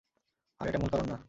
আর এটা মূল কারণ না।